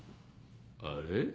あれ？